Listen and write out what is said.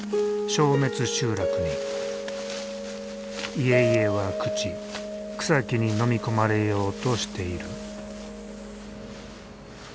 家々は朽ち草木にのみ込まれようとしている。